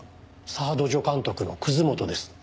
サード助監督の本です。